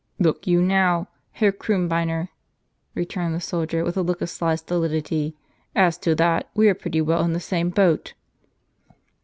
" Look you now, Herr Krummbeiner," returned the soldier, with a look of sly stolidity ; "as to that, we are pretty well in the same boat."